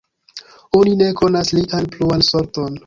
Oni ne konas lian pluan sorton.